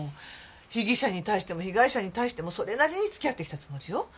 被疑者に対しても被害者に対してもそれなりに付き合ってきたつもりよ。